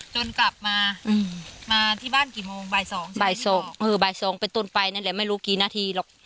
จนกลับมามาที่บ้านกี่โมงบ่าย๒บ่าย๒บ่าย๒เป็นต้นไปนั่นแหละไม่รู้กี่นาทีหรอก